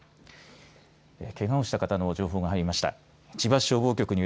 けがをした方の情報が入りました。